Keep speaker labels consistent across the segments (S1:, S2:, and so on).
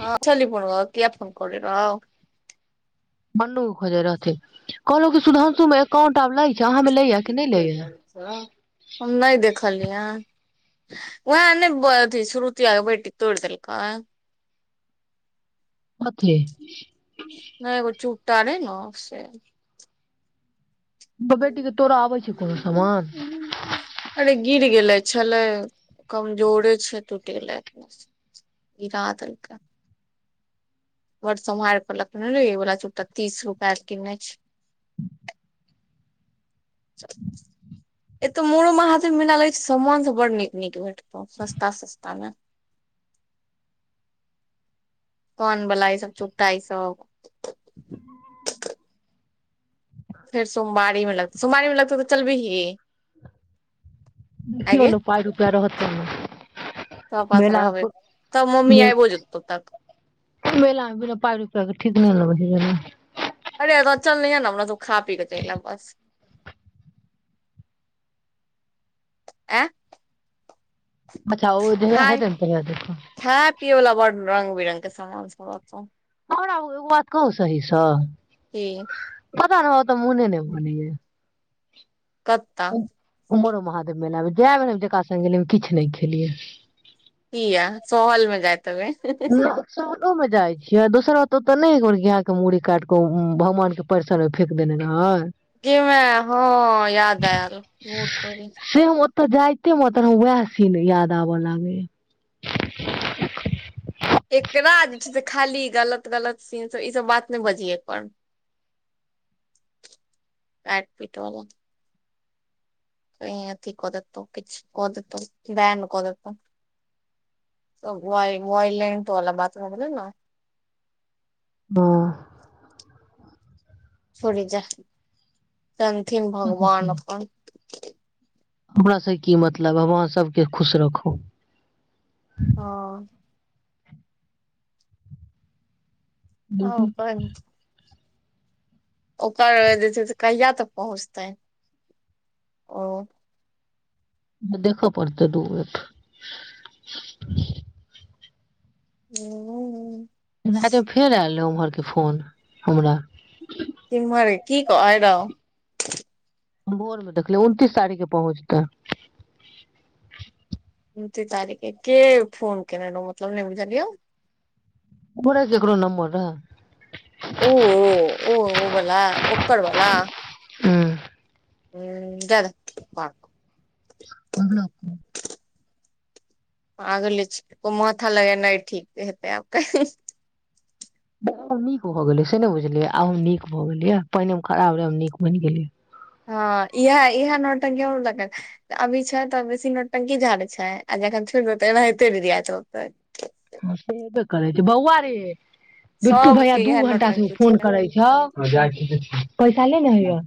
S1: हँ चली पन किया फोन कर रह आ
S2: बनू खोजे रहे कहलो क सुधांशु मे एकाउंट आब लै जहाँ मे लै ह कि नहि ले य
S1: हम नहि देखलिय ह वएहाँ नहि अथी शुरुतिआ बैटी तोड़ि देलकै
S2: कथी
S1: रे ने से
S2: बेटीके तोरा आबै छ कोनो सामान
S1: अरे गिर गेलै छलै कमजोरे छै टूटि गेलै अपने गीरादलके बर सम्हारलख वला चू तीस रुपआ किनने छै [unintelligible] एतो मोड़ोमे हाथ मिल लगै छै सामन सब बड नीक नीक भेटतौ सस्ता सस्ता मे
S2: [unintelligible]
S1: कनवला ई सब चुटा ई सब फेर सोमवारी मे लगत सोमारी मे लगते तऽ चल भीी
S2: ओ पाई रुपै रहत त ने
S1: तोरा पास
S2: मेला
S1: रहवे त मम्मी
S2: मे
S1: आइबो जेत त
S2: मेला में बिना पाई रुपैया ठीक नई लगाई छै जेनाई
S1: तऽ चल नहि ने अपना सब खा पी के चल आयेब बस आँ
S2: अच्छा ओ जहिया
S1: खाय
S2: हेतै ने तहिया देखब
S1: ह पियवला बड़ रंग बिरङंगग सामन सब बढ़ रहतौ
S2: आओर बात कहू सहीसँ
S1: कि
S2: पता नई हमरा उता मोने नई मानई
S1: कत्ता
S2: उमरो महादेव मेला जय भेल जेका सङ्ग गेलियै हम किछु नहि खेलियै
S1: किया सोहलमे जाएत हेबय
S2: साउनो मे जाइ छियै दोसर बात ओते ने ग के मुरड़ी काटिके भगवान के परिसर मे फेेक देने रहै
S1: गेमै हँ याद आयल बहुत पहिले
S2: तऽ जाइते मे त वएह सिन याद आबऽ लागे य
S1: एकरा जे छै से खाली गलत गलत सीनसभ ईसभ बात नहि बजियै अपन काइट पीट बला आधी कऽ देतौ किछु कऽ देतो वन कऽ देत त व वेलेंट वला बात भ गिले
S2: हँ
S1: थोड़ जा जानथिन भगवान अपन
S2: हमर से की मतलब हम अहाँ सभके खुश रखब
S1: हँ आ
S2: बहू
S1: ओकर ओकर जे क्षय से कहिया तक पहुँचतै ओ
S2: देखा प्रत्यय दुमिनट
S1: हू
S2: रायत में फेर आल उमहरके फोन हमरा
S1: किम्हर की कहै रौ
S2: भोर मे देखलिय उनतीस तारीख के पहुँचतै
S1: उनतीस तारीखे के फोन केने मतलब ने बिजलियों
S2: पता नई केकरो नंबर रहय
S1: ओ ओ ओ बला ओकर बला
S2: हूँ
S1: ह द दे प
S2: आगरा पुल।
S1: पागले छैय कोइ माथा लगेनाइ ठीक हेतै आब कही।
S2: आब नीक भऽ गेलियै से नहि बुझलियै आब हम नीक भऽ गेलियै, पहिने हम खराब रहि आब नीक बनि गेलियै।
S1: हँ इएह-इएह नौटकी हमरो लग करत, अभी छैय त बेसी नौटंकी झाड़ैय छैय आ जखन छुइब देबय त एनाहिते डिरिआयत रहतै।
S2: ह सुनबे करैय छैय बौआरे। बिट्टू भैया
S1: सबके
S2: दू
S1: इएह
S2: घंटा सँ उ
S1: नौटंकी छै
S2: फोन करैय छौउ, ह जाइछी- जाइछी, पैसा ले ने होइयउ?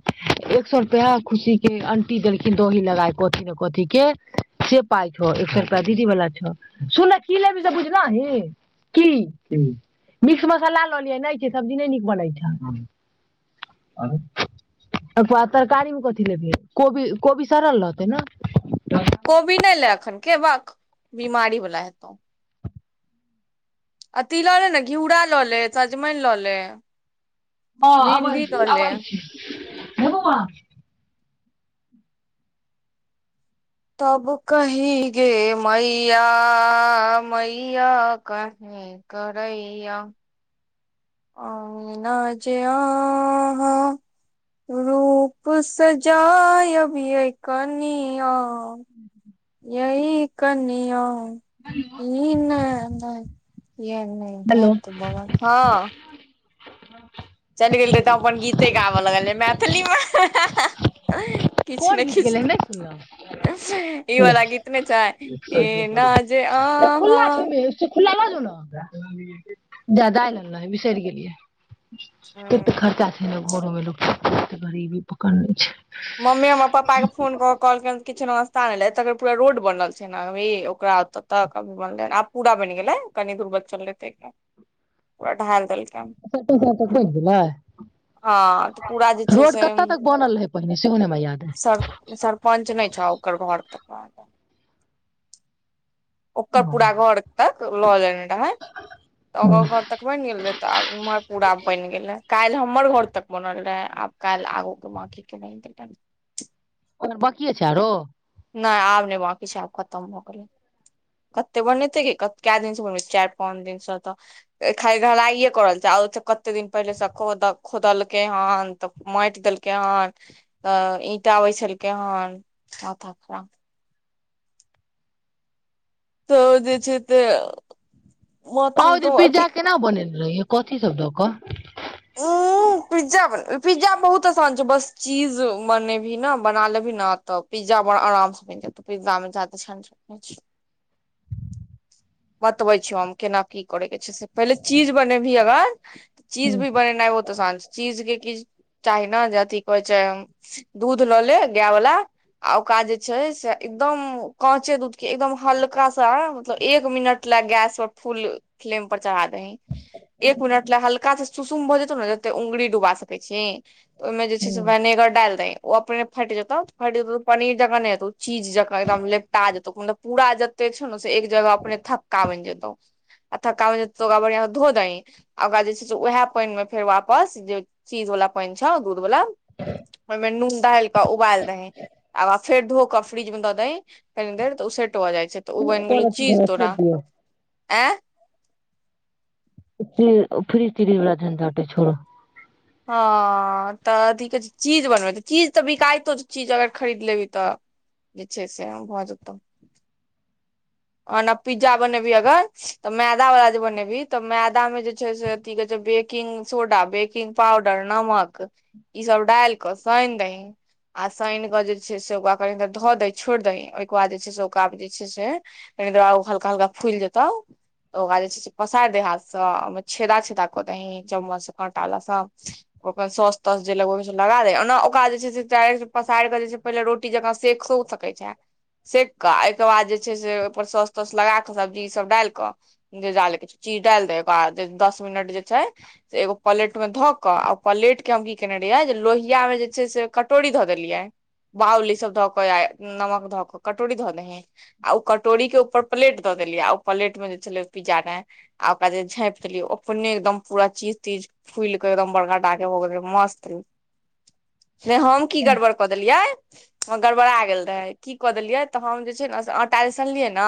S2: एक सै रुपैया खुशी के अंटी देलखिन दही लगाय कथी-नै-कथी के से पाय छौउ। एक सै रुपैया दीदी वाला छौउ, सुन न की लेबही से बुझलही, की? मिक्स मसाला ल लिअह, नहि छैय, सब्जी नहि नीक बनैय छैय। ओइके बाद तरकारीमे कथी लेबही कोबी, कोबी सड़ल रहतैय न?
S1: कोबी नहि ले एखनके भक्क बिमारी वला हेतह। अथी ल ले ने घिउरा ल ले, सजमनि ल ले।
S2: हँ अबैय
S1: भिंडी
S2: छी,
S1: लऽ ले
S2: अबैय छी।
S1: तब कही गे मैया मैया कही। हे करइय। आउ ना जे आहँ। रूप सजायब यै कनियां। यै कनियां इ नै किये नहि
S2: हेलो
S1: हेत बनाओल, ह।
S2: [inaudible]
S1: से गाबैय लगलियै मैथिलीमे।
S2: कोन गीत गेलियै नहि सुनलौं।
S1: तऽ ई
S2: ले,
S1: वाला गीत नै छै एना जे
S2: खुल्ला
S1: अहाँ
S2: छैय ने यौ। खुल्ला ल जो न। जा दाइल आनि लेलियै, बिसरि गेलियै। तेत्त खर्चा छैय ने घरोमे लोकके से गरीबी पकड़ने छैय।
S1: मम्मी हमर पप्पा के फोन क'क' कहलकै हन कि कहां एलै एत्त तक पूरा रोड बनल छैय ने अभी ओकरा एत्तै तक, अभी बनलै आब पुरा बनि गेलैय कनी दूर। बचल हेतैय कहां, पूरा ढाल देलकै।
S2: बनि गेलै
S1: हँ त पूरा जे छै
S2: रोड
S1: से।
S2: कतऽ तक बनल रहै पहिने सेहो ने हमरा याद
S1: सर-सरपञ्च नहि छौउ ओकर घर तक आ गेलैय। ओकर
S2: अइ
S1: पूरा घर तक ल लेने रहैय। ओकर घर तक बनि गेल रहैय त आब इम्हर पूरा बनि गेलैय काइल हम। हमर घर तक बनल रहेैय, आब काइल आगु के बांकी के बनि जेतइ।
S2: ओनअ बाकीये छैय आरो?
S1: नै-आब-नै बांकी छैय आब खतम भ गेलैय। कत्ते बनेतै गै, के दिन सँ बनबय छैय चाइर-पांच दिनसँ त खाली ढलाइए कए रहल छैय। देखैय छीयै कत्ते दिन पहिले सँ खोदलकै हन, तब माटि देलकैय हन, त ईंटा बैसेलकै हन माथा खराब ताउ दैय छैय तैय।
S2: पा ओहि दिन पिज्जा केना बनेने रहियै कथी सब दऽ क?
S1: उं। पिज्जा बहुत आसान छैय बस चीज बनेबही न बना लेबही न तब पिज्जा बड़ आराम सँ बनि जेतौउ पिज्जामे जयदा झंझट नै छैय।
S2: [inaudible]
S1: बतबैय छियौ हम केना की करैय के छैय से पहिले चीज बनेबही अगर
S2: हूं
S1: नै ओ त असान छैय चीज के किछ चाही न जे अथी कहैय छैय दुध ल ले गाय बला। आ ओकरा जे छैय से एकदम काँचे दुध के एकदम हल्का सा मतलब एक मिनट लए गैस पर फुल फ्लेम पर चढ़ा दहि एक मिनट ले हल्का से सुसुम भऽ जेतौ ने जते उंगरी डुबा सकैत छी ओहिमे जे छै से भेनेगर डालि दही ओ अपने फाटि जेतौ फाटि जेत तऽ पनीर जकां नहि हे चीज जकां एकदम लेपटा जेतौ मतलब पूरा लगै छौ न से एक जगह अपने थक्का बनि जेतौ आ थक्का भ' जेतौ त' ओकरा बढ़ियांसं धो दही आ ओकरा जे छै से उएह पानिमे फेर वापस जे चीज बाला पानि छौ दूध बाला ओयमे नून डायल क उबाइल दहि फेर धो क' फ्रिजमे द' दहि तनिक देर तऽ उसे ट भ' जाय छै त' ओ बनि गेलै चीज तोरा
S2: ओ फ्री त्री बला झंझट ऐ छोड़ू
S1: हँ तऽ अथी कहै छै चीज बनबै छै चीज तऽ बिकाइतो छै चीज अगर खरीद लेबी तऽ जेछे से भ जेतहु ओना पिज़्ज़ा बनेबी अगर तऽ मैदा वाला जे बनेबी तऽ मैदा मे जे छै से अथी कहे छै बेकिंग सोडा बेकिंग पउडर नमक ई सब डालि कऽ साइन दहि आ सानि कऽ जे छै से ओकरा कनि काल धऽ दही छोड़ि दही ओहिके बाद जे छै से ओकरा जे छै से त आ हलका हल्क फुइल जेतौ तऽ ओकरा जे छै से पसारि दही हाथसँ ओहिमे छेदा छेदा कऽ दही चम्मनसँ कांटा बलासँ ओकर सौस तौस जे लगब के छै लगा दही ओना ओकरा जे छै से डायरेक्ट पसायर के पहिले रोटी जकां सेक सकै छै सेक क' एहिके बाद जे छै से सौस तोस लगा के सब्जी सब डायल क जे डालै के चीज डायल दही ओकरा बाद दस मिनट जे है से एगो पलेट मे ध'क' आ उ पेलेट के हम की केने रहियै लोहियामे जेछै से कटोरी ध' देलियै बउली सब ध नमक धऽ क कटोरी धऽ देही आ कटोरी के ऊपर प्लेट द देलीय आ ओ पलेट मे जे छलै पिज्जा ने आ ओकरा जे झांपि देलिय ओ अपने एकदम पूरा चीज तीज फुइल के एकदम बड़का टाक हो भ गेल रहे मस्त
S2: [inaudible]
S1: नहि हम की गड़बड़ क देलियै गड़बड़ा गेल रहे की कि देलियै तऽ हम जे छै ने से आटा सुनलिय ने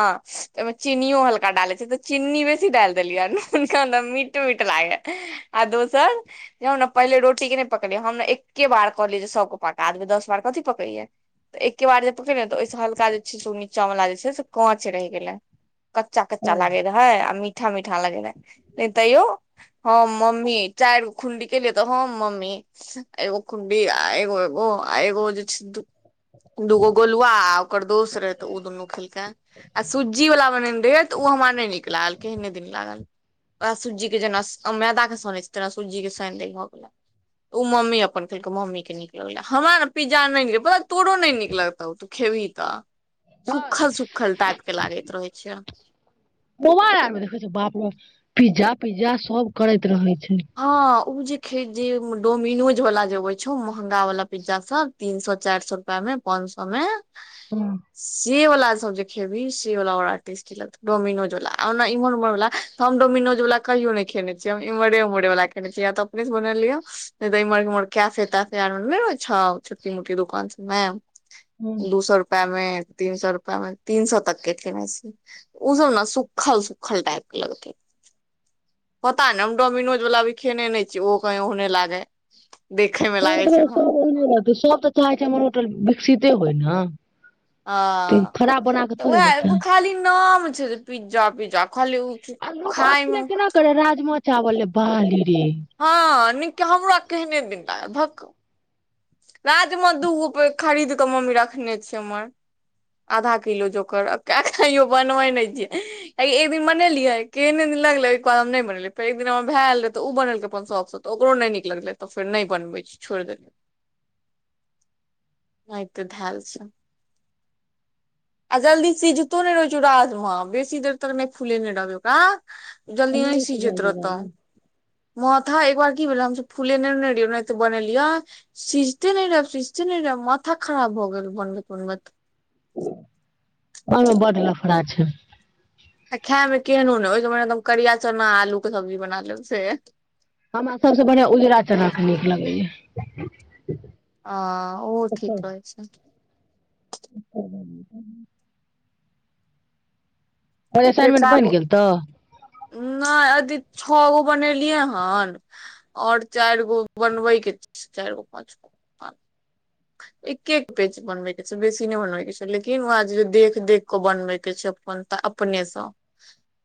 S1: ओमे चीनियो हल्का डाल छै त चीनी बेसी डाल देलियै हुनका नै मीट [inaudible] आ दोसर हम पहिले रोटी के नहि पकड़िय हम एके बार कहलिय पकादब दस बार कथी पकैयै एके बार जे पकड़ऽ हलका द छै चु नीचा जे छै से कांच रहि गेलैन कच्चा कच्चा लागे रह है आ मीठा मीठा मीठा लगय रहै नै तैयो हम मम्मी चारि खुंडी केलियै तऽ हम मम्मी एगो कुंडी एगो एगो आ एगो जे छैिधू दूगो गोलुवा आ ओकर दोस्त रहे तऽ ओ दुनू खेलकै आ सुज्जीवला बनेने रहियै तऽ ओ हमरा नहि नीक लागल केहने दैन लागल वयह सूज्जी के जेना मैदा के सनैत छै तेना सूजी के साइन दही भऽ गेलै उ मम्मी अपन खेलकै मम्मी के नीक लगलै हमरा न पिज़्ज़ा आर नहि नीक पता है तोरो नहि नीक लगतौ खेब हीं त' रहे छै
S2: [unintelligible] पिज़्ज़ा पिज़्ज़ा सब करैत रहै छै
S1: हँ उ जे खी जे डोमिनोज बला जे आबै छौ महंगा वला पिज़्ज़ा सब तीन सए चारि सए रुपा मे पांच समय से बला सभ जे खेबहि से बला टेस्टी लगतौ डोमिनोज बला ने इमहर उमरला त हम डोमिनोज बला नहि खेने छै इमर उमर अपने बनलिय छटीोी [unintelligible] दोकान मै
S2: हम्म
S1: दू सौ रुप प मे तीन सौ रुपआ मे तीन सौ तक के ख ओ सब ने सुखल सुखल टाइप लगतै
S2: ह
S1: पता ने हम डोमिनोज वालला भी खेने नहि छीियै ओहो कही होने लागे देखे मे लागे
S2: रहै
S1: छै
S2: सब तऽ चाहै छै हमर होटल विकसिते होय ने
S1: आ
S2: तऽ खराब बना कऽ थोड़े
S1: तऽ
S2: देतै
S1: ओ खाली नाम छै पिज्जा पिज्जा खाली खायमे
S2: म चा बल बालिय
S1: हँ निका हम मु र क ह नहि दन्द भक राजमे दूगो प खरीद कऽ मम्मी रखने छ हमर आधा किलो जोकयो बनबै नहि छियि एक दिन मनेलियै के गलार बन फेर एक दिन हमर भयल रहे तऽ ओ बनेलकै अपन शौक तऽ ओकरो नहि नीक ललै तऽ फेर नहि बनबै छोड़ देल न तऽ धेल छै आ जल्दी सिझतो नहि रहै छौ राजमे बेसी देर तक नहि फूलेने रहबै ओकरा जल्दी नहि सी
S2: सिझाइ
S1: जैत रह
S2: छै
S1: तऽ
S2: राजमा
S1: मथा एक बार की भेल हमस फूलेने ने र त बनेलिय सिझते नहि रहब सिझते नहि रहब माथा खराब भ गेल बनबैत बनबैत
S2: ओमे बड लफड़ छै
S1: आ खाय मे केहन ने ओहि एकदम करिया चना आलू के सब्जी बना लेब से
S2: हमरा सभसँ बढ़िआँ उजरा चना नीक लगैएा
S1: आ ओ ठीक रहै छै
S2: ओ त ब
S1: फेर
S2: असाइनमेंट बनि
S1: कहाबू
S2: गेल तऽ
S1: नहि य छओ गो बनेलियै हन और चारि गो बनबे के चार गो पाच हँ एक एक पेज बनबैके छै बेसी नहि बनबैके छै लेकिन ओ आज जे देख देख के बनबैके छै जप अपनेसँ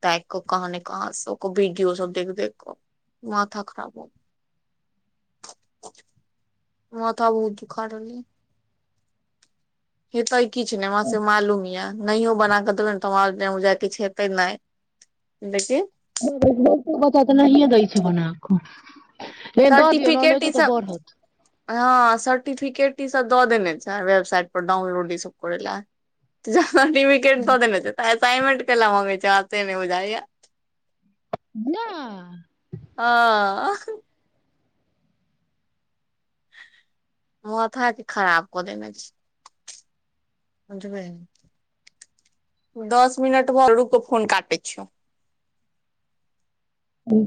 S1: त क कहाँ ने कहाँ सब वीडियो सब देख देख क माथा खराब ह
S2: ह
S1: माथा बहुत दुखा रहल औय किछु नहि वहाँ से मालूम य नहियो बना के देबै ने तोजा किछु हेतै नहि लेकिन
S2: ब बथ तऽ नहि अ दै छै बने आखो
S1: सर्टिफिकेट ई हँ सर्टिफिकेट दऽ देने छ वेबसइट पर डाउनलोड ई सब करै ल सर्टिफिकेट दऽ देने छै त असाइनमेंट के मंगे छै से नहि बुझाइया
S2: नहि
S1: आ मुथऽ ह क खराब क देने छै समझबै दस मिनट भर रुकऽ फोन काटै छियौ
S2: ह अ